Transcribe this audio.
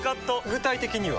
具体的には？